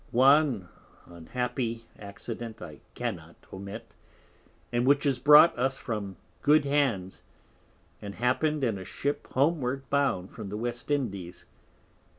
One unhappy Accident I cannot omit, and which is brought us from good Hands, and happen'd in a Ship homeward bound from the West Indies.